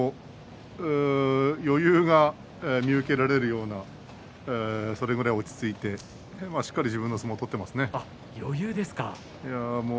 余裕が見受けられるようなそれくらい落ち着いてしっかりと自分の相撲を余裕ですか？